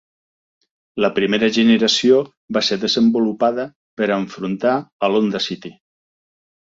La primera generació va ser desenvolupada per a enfrontar a l'Honda City.